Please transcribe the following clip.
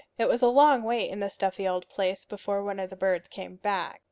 It was a long wait in the stuffy old place before one of the birds came back.